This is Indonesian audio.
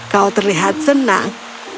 kau terlihat senang